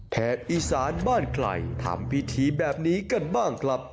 แถบอีสานบ้านใครทำพิธีแบบนี้กันบ้างครับ